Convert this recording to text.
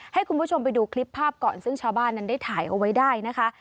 ให้คุณผู้ชมไปดูคลิปภาพก่อนซึ่งชาวบ้านนั้นได้ถ่ายเอาไว้ได้นะคะ